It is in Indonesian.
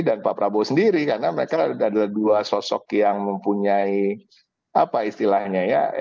dan pak prabowo sendiri karena mereka adalah dua sosok yang mempunyai apa istilahnya ya